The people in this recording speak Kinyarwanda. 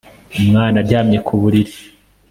Umwana aryamye ku buriri